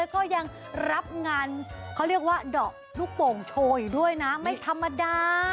ก็ยังรับงานเขาเรียกว่าดอกลูกโป่งโชว์อยู่ด้วยนะไม่ธรรมดา